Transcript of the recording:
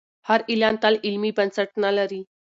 هر اعلان تل علمي بنسټ نه لري.